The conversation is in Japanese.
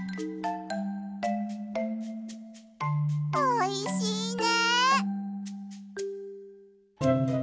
おいしいね！